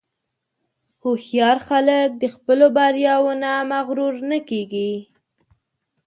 هوښیار خلک د خپلو بریاوو نه مغرور نه کېږي.